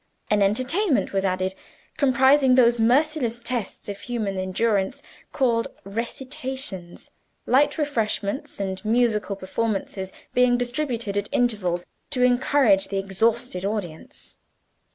An Entertainment was added, comprising those merciless tests of human endurance called Recitations; light refreshments and musical performances being distributed at intervals, to encourage the exhausted audience.